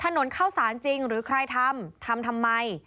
ถนนเข้าสารจริงหรือใครทำทำทำไม